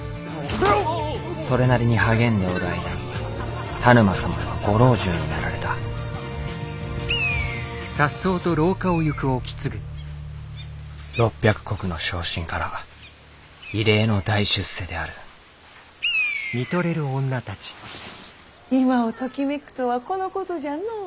それなりに励んでおる間に田沼様はご老中になられた６００石の小身から異例の大出世である今をときめくとはこのことじゃの。